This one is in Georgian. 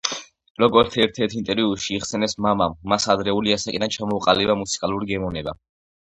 როგორც ერთ-ერთ ინტერვიუში იხსენებს მამამ მას ადრეული ასაკიდან ჩამოუყალიბა მუსიკალური გემოვნება.